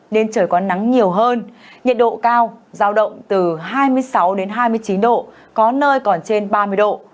nên trời có nắng nhiều hơn nhiệt độ cao giao động từ hai mươi sáu hai mươi chín độ có nơi còn trên ba mươi độ